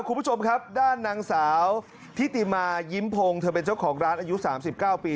คุณผู้ชมครับด้านนางสาวทิติมายิ้มพงศ์เธอเป็นเจ้าของร้านอายุ๓๙ปี